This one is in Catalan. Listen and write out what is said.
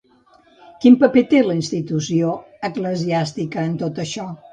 Quin paper té la institució eclesiàstica en tot això?